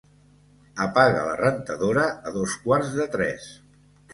Apaga la rentadora a dos quarts de tres.